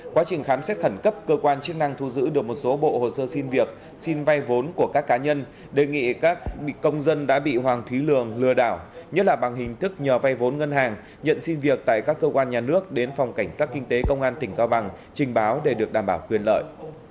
quá trình khám xét khẩn cấp cơ quan chức năng thu giữ được một số bộ hồ sơ xin việc xin vay vốn của các cá nhân đề nghị các công dân đã bị hoàng thúy lường lừa đảo nhất là bằng hình thức nhờ vay vốn ngân hàng nhận xin việc tại các cơ quan nhà nước đến phòng cảnh sát kinh tế công an tỉnh cao bằng trình báo để được đảm bảo quyền lợi